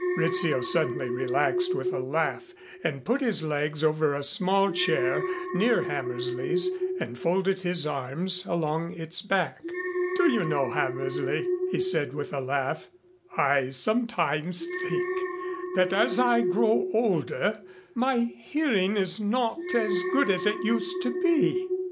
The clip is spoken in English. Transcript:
Rizzio suddenly relaxed with a laugh and put his legs over a small chair near Hammersley's and folded his arms along its back. "Do you know, Hammersley," he said with a laugh, "I sometimes think that as I grow older my hearing is not as good as it used to be.